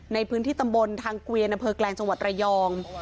ในพื้นที่ตำบลทางเฟือนำเพลิงแกล้งสวรรค์รายอง